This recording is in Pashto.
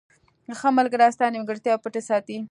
• ښه ملګری ستا نیمګړتیاوې پټې ساتي.